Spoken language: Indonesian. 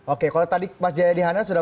oke kalau tadi mas jaya dihanan sudah